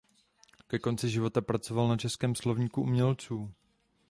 Ke konci života pracoval na českém slovníku umělců.